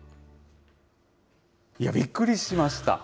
いや、びっくりしました。